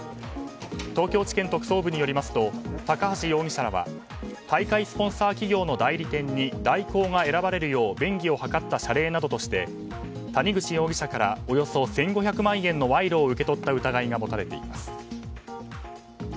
東京地検特捜部によりますと高橋容疑者らは大会スポンサー企業の代理店に大広が選ばれるよう便宜を図った謝礼などとして谷口容疑者からおよそ１５００万円の賄賂を受け取った疑いが持たれています。